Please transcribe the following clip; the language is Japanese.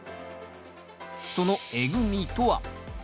そのえぐみとは？